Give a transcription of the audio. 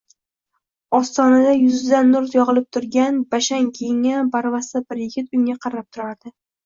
Ostonada yuzidan nur yog`ilib turgan, bashang kiyingan barvasta bir yigit unga qarab turardi